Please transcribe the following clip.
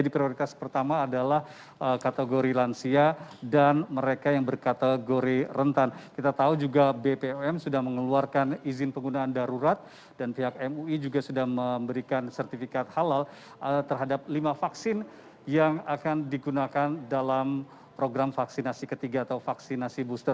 pembangunan um sudah mengeluarkan izin penggunaan darurat dan pihak mui juga sudah memberikan sertifikat halal terhadap lima vaksin yang akan digunakan dalam program vaksinasi ketiga atau vaksinasi booster